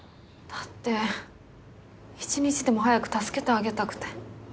だって一日でも早く助けてあげたくて。